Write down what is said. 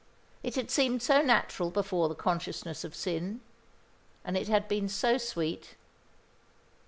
It had seemed so natural before the consciousness of sin; and it had been so sweet.